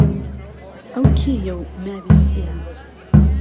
ئەو کێیە و ناوی چییە؟